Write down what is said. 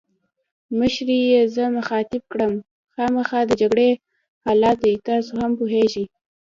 مشرې یې زه مخاطب کړم: خامخا د جګړې حالات دي، تاسي هم پوهېږئ.